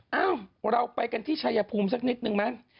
เอ้าเราไปกันที่ชายภูมิสักนิดนึงไหม